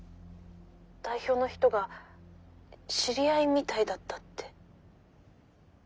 代表の人が知り合いみたいだったって。